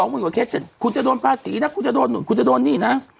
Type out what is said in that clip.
๒หมื่นกว่าเคสคุณจะโดนภาษีนะคุณจะโดนนี่นะ